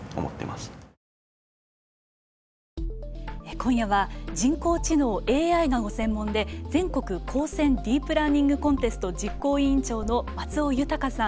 今夜は、人工知能ＡＩがご専門で、全国高専ディープラーニングコンテスト実行委員長の松尾豊さん。